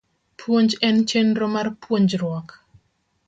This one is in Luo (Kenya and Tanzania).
Puonj en chenro mar puonjruok